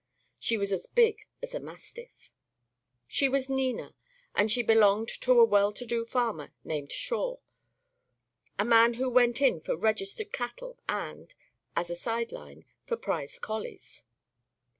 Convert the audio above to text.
She was as big as a mastiff. She was Nina, and she belonged to a well to do farmer named Shawe, a man who went in for registered cattle, and, as a side line, for prize collies.